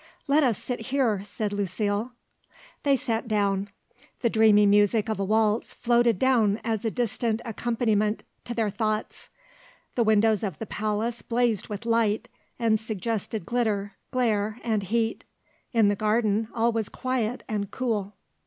"Let us sit here," said Lucile. They sat down. The dreamy music of a waltz floated down as a distant accompaniment to their thoughts. The windows of the palace blazed with light and suggested glitter, glare, and heat; in the garden all was quiet and cool.